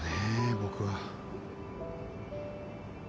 僕は。